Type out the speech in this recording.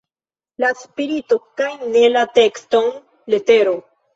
La spirito kaj ne la tekston letero!